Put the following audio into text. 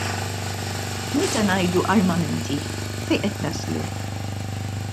Meta ngħidu armamenti, fejn qed taslu?